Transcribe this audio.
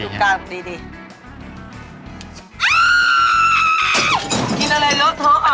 อ้าาาาาาอาาาาาาาาหิมทคิดอะไรละเลิฟท็อกอ่ะ